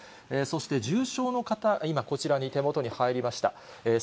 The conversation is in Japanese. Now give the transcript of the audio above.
そして重症の方、今、こちらに、手元に入りました。